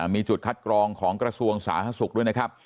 มีจุดคัดกรองของกระทรวงสาธารณสุขด้วยนะครับ